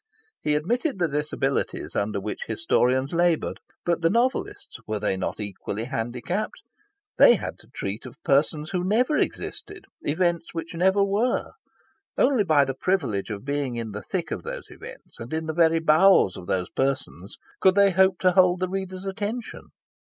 He admitted the disabilities under which historians laboured. But the novelists were they not equally handicapped? They had to treat of persons who never existed, events which never were. Only by the privilege of being in the thick of those events, and in the very bowels of those persons, could they hope to hold the reader's attention.